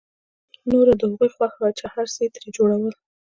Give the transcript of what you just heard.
نوره د هغوی خوښه وه چې هر څه يې ترې جوړول.